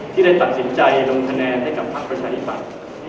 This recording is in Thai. ที่ได้ตัดสินใจลงคะแนนให้กับพักประชาธิปัตย์